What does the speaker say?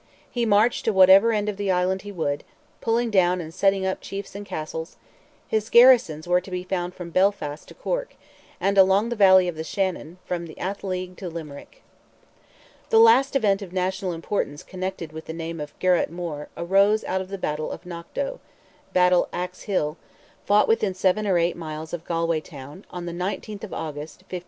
He marched to whatever end of the island he would, pulling down and setting up chiefs and castles; his garrisons were to be found from Belfast to Cork, and along the valley of the Shannon, from Athleague to Limerick. The last event of national importance connected with the name of Geroit More arose out of the battle of KNOCK DOE, ("battle axe hill"), fought within seven or eight miles of Galway town, on the 19th of August, 1504.